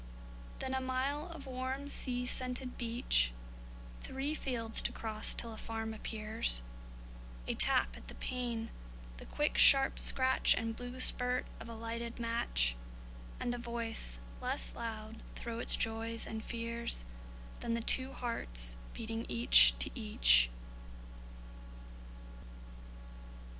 Then a mile of warm sea scented beach; Three fields to cross till a farm appears; A tap at the pane, the quick sharp scratch And blue spurt of a lighted match, And a voice less loud, thro' its joys and fears, Than the two hearts beating each to each!